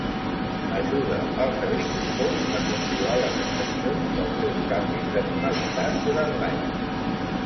Ajuda als agricultors a controlar les estacions pels seus canvis de tonalitat durant l'any.